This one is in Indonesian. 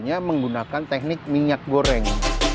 hanya menggunakan teknik minyak goreng